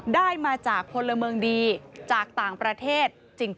ได้มาจากพลเมืองดีจากต่างประเทศจริง